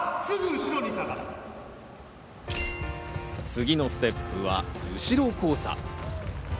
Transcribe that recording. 次のステップは後ろ交差。